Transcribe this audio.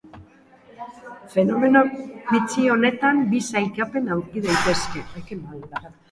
Fenomeno bitxi honetan, bi sailkapen aurki daitezke.